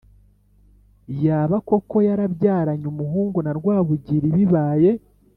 Yaba koko yarabyaranye umuhungu na Rwabugiri Bibaye